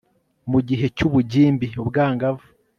mu gihe cyu bugimbi ubwangavu